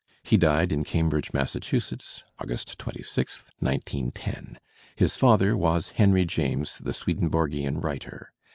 He died in Cambridge, Massachusetts, August S6, 1910. His father was Henry James, the Swedenborgian writer.